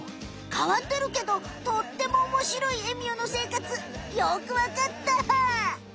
かわってるけどとってもおもしろいエミューのせいかつよくわかった！